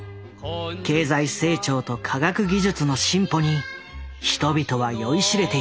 経済成長と科学技術の進歩に人々は酔いしれていた。